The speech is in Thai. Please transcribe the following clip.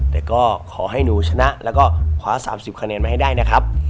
แต่ก็ขอให้หนูชนะแล้วก็คว้า๓๐คะแนนมาให้ได้นะครับ